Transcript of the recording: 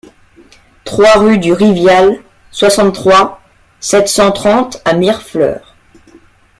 trois rue du Rivial, soixante-trois, sept cent trente à Mirefleurs